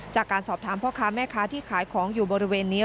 จากการสอบถามพ่อค้าแม่ค้าที่ขายของอยู่บริเวณนี้